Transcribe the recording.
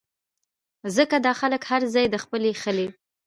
ځکه دا خلک هر ځائے د خپلې خلې